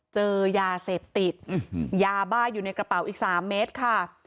เจอยาเสพติดยาบ้าอยู่ในกระเป๋าอีก๓เมตรค่ะ